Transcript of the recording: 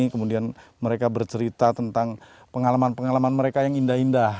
kemudian mereka bercerita tentang pengalaman pengalaman mereka yang indah indah